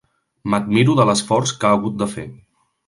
M'admiro de l'esforç que ha hagut de fer.